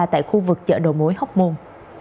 tại khu vực chợ đầu mối hóc môn